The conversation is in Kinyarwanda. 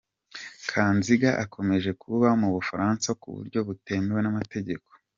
Kanziga akomeje kuba mu Bufaransa ku buryo butemewe n’amategeko.